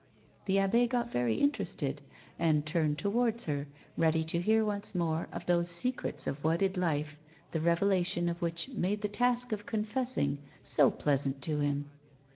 The abb6 got very interested, and turned towards her, ready to hear more of those secrets of wedded life, the revela tion of which made the task of confessing so pleasant to him.